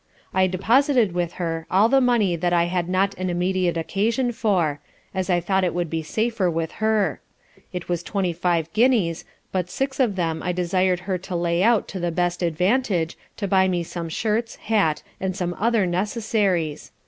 I deposited with her all the money that I had not an immediate occasion for; as I thought it would be safer with her. It was 25 guineas but 6 of them I desired her to lay out to the best advantage, to buy me some shirts, hat and some other necessaries.